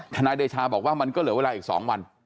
นายเดชาบอกว่ามันก็เหลือเวลาอีก๒วัน